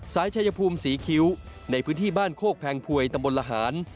ชายชายภูมิศรีคิ้วในพื้นที่บ้านโคกแพงพวยตำบลละหาร